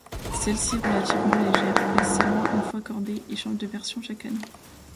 Celle-ci, relativement légère, pèse seulement une fois cordée et change de version chaque année.